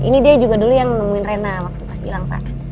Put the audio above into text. ini dia juga dulu yang nemuin rena waktu pas bilang farah